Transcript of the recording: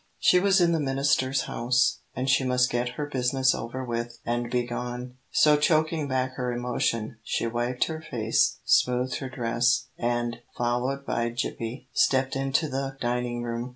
She was in the minister's house, and she must get her business over with, and be gone. So choking back her emotion, she wiped her face, smoothed her dress, and, followed by Gippie, stepped into the dining room.